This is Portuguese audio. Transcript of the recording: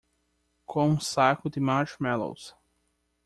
Com um saco de marshmallows.